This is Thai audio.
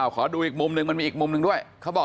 ขอดูอีกมุมนึงมีอีกมุมนึงด้วย